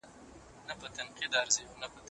ایډیالوژي باید په تاریخي حقایقو برلاسي نه وي.